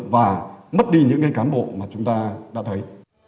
và mất đi những cái cán bộ mà chúng ta đã thấy